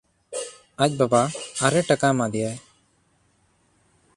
ᱟᱡ ᱵᱟᱵᱟ ᱟᱨᱮ ᱴᱟᱠᱟ ᱮᱢᱟ ᱫᱮᱭᱟᱭ᱾